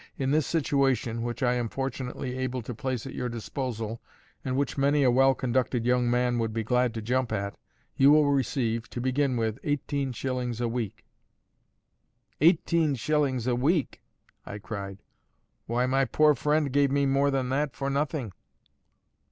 In this situation, which I am fortunately able to place at your disposal, and which many a well conducted young man would be glad to jump at, you will receive, to begin with, eighteen shillings a week." "Eighteen shillings a week!" I cried. "Why, my poor friend gave me more than that for nothing!"